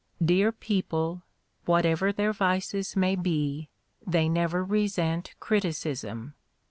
Dear people, whatever their vices may be, they never resent criticism.